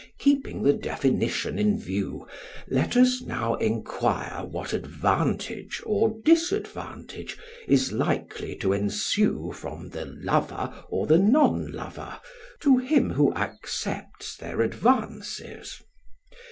Keeping the definition in view, let us now enquire what advantage or disadvantage is likely to ensue from the lover or the non lover to him who accepts their advances.